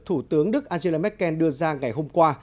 thủ tướng đức angela merkel đưa ra ngày hôm qua